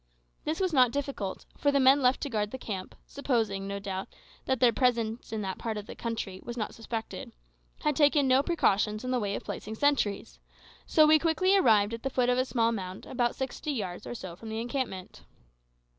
This was not difficult, for the men left to guard the camp, supposing, no doubt, that their presence in that part of the country was not suspected, had taken no precautions in the way of placing sentries; so we quickly arrived at the foot of a small mound about sixty yards or so from the encampment.